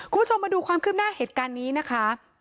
คุณผู้ชมมาดูความคืบหน้าเหตุการณ์นี้นะคะ